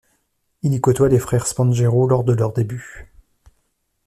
Il y côtoie les frères Spanghero lors de leurs débuts.